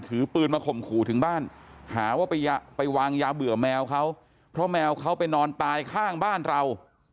ถือปืนมาข่มขู่ถึงบ้านหาว่าไปวางยาเบื่อแมวเขาเพราะแมวเขาไปนอนตายข้างบ้านเรา